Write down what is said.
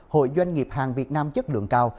hội doanh nghiệp hàng việt nam chất lượng cao